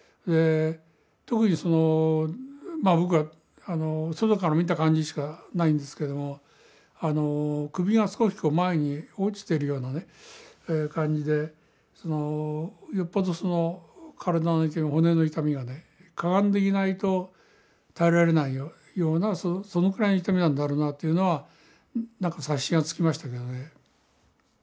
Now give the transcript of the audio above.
特にその僕は外から見た感じしかないんですけども首が少し前に落ちてるような感じでよっぽどその体の痛み骨の痛みがねかがんでいないと耐えられないようなそのくらいの痛みなんだろうなというのは察しがつきましたけどね。